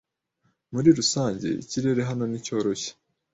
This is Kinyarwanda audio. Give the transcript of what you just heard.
Muri rusange, ikirere hano ni cyoroshye.